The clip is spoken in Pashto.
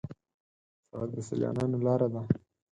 سړک د سیلانیانو لاره ده.